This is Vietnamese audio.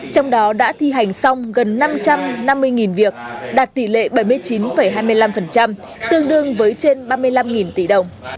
trong đó đã thi hành xong gần năm trăm năm mươi việc đạt tỷ lệ bảy mươi chín hai mươi năm tương đương với trên ba mươi năm tỷ đồng